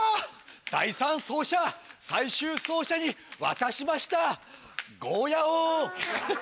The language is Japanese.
第３走者最終走者に渡しましたゴーヤを。